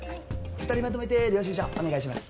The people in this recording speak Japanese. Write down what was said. ２人まとめて領収書お願いします。